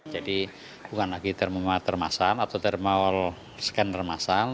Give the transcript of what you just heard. jadi bukan lagi thermal termasal atau thermal scanner masal